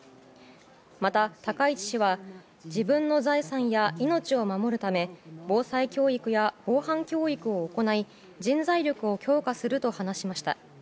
また、高市氏は自分の財産や命を守るため防災教育や防犯教育を行い人材力を強化すると話しました。